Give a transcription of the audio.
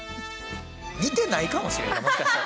似てないかもしれんなもしかしたら。